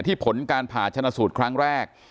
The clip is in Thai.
ผลการผ่าชนะสูตรครั้งแรก